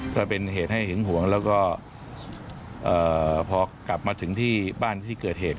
ก็เป็นเหตุให้หึงหวงแล้วก็พอกลับมาถึงที่บ้านที่เกิดเหตุ